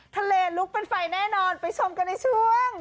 ทะเลลุกเป็นไฟแน่นอนไปชมกันในช่วง